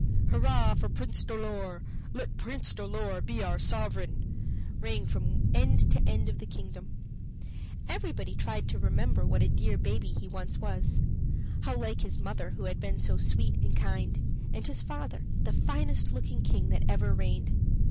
"Hurrah for Prince Dolor! Let Prince Dolor be our sovereign!" rang from end to end of the kingdom. Everybody tried to remember what a dear baby he once was how like his mother, who had been so sweet and kind, and his father, the finest looking king that ever reigned.